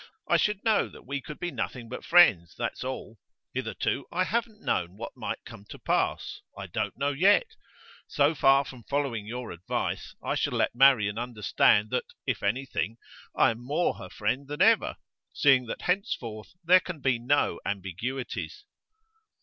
I should know that we could be nothing but friends, that's all. Hitherto I haven't known what might come to pass; I don't know yet. So far from following your advice, I shall let Marian understand that, if anything, I am more her friend than ever, seeing that henceforth there can be no ambiguities.